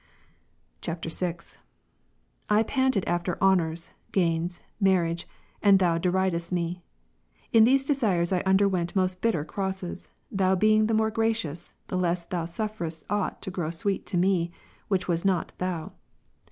[VI.] 9. I panted after honours, gains, marriage; and Thou deridedst me. In these desires I underwent most bitter crosses. Thou being the more gracious, the less Thou suf feredst aught to grow SAveet to me, which was not Thou.